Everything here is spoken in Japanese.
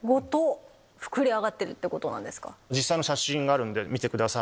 実際の写真があるんで見てください。